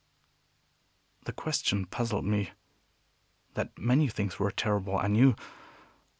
The question puzzled me. That many things were terrible, I knew.